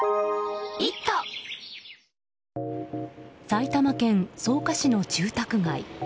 埼玉県草加市の住宅街。